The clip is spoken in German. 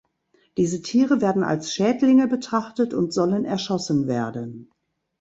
Diese Tiere werden als Schädlinge betrachtet und sollen erschossen werden.